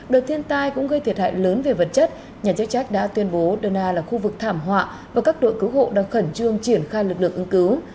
đợt thiên tai cũng gây thiệt hại lớn về vật chất nhà chức trách đã tuyên bố dona là khu vực thảm họa và các đội cứu hộ đang khẩn trương triển khai lực lượng ứng cứu